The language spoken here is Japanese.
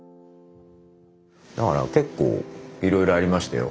だから結構いろいろありましたよ。